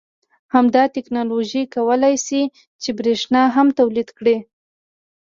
همدا تکنالوژي کولای شي چې بریښنا هم تولید کړي